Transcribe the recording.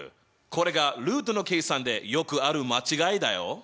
これがルートの計算でよくある間違いだよ。